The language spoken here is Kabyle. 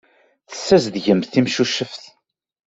Tessazedgemt timcuceft.